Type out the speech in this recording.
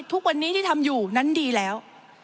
ทุกวันนี้ที่ทำอยู่นั้นดีแล้ว